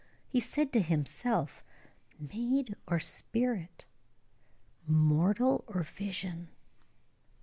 He said to himself, "Maid or spirit? Mortal or vision?"